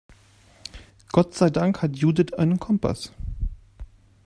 Gott sei Dank hat Judith einen Kompass.